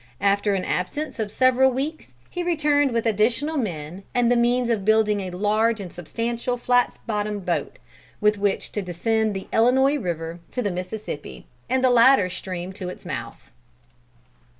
After an absence of several weeks, he returned with additional men and the means of building a large and substantial flat bottomed boat, with which to descend the Illinois river to the Mississippi, and the latter stream to its mouth.